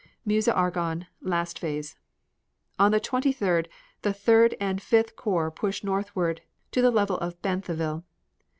MEUSE ARGONNE LAST PHASE On the 23d the Third and Fifth corps pushed northward to the level of Bantheville.